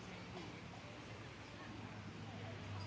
เมื่อเวลาเมื่อเวลาเมื่อเวลา